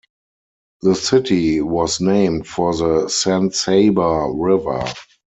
The city was named for the San Saba River.